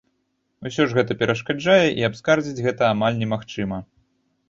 Усё ж гэта перашкаджае, і абскардзіць гэта амаль не магчыма.